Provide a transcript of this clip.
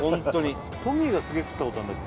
トミーがすげえ食ったことあんだっけ？